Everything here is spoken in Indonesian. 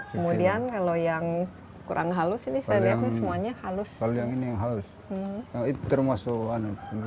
kemudian kalau yang kurang halus ini saya lihat semuanya halus kalau yang ini yang harus itu termasuk